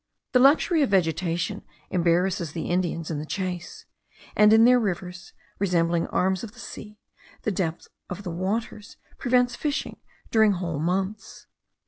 The luxury of vegetation embarrasses the Indians in the chase; and in their rivers, resembling arms of the sea, the depth of the waters prevents fishing during whole months.